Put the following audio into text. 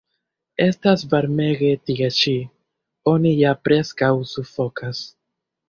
Estas varmege tie ĉi; oni ja preskaŭ sufokas.